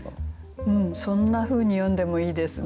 そんなふうに読んでもいいですね。